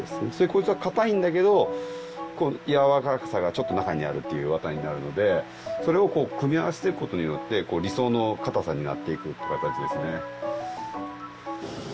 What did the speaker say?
こいつは硬いんだけどこう軟らかさがちょっと中にあるっていう綿になるのでそれをこう組み合わしていくことによって理想の硬さになっていくってかたちですね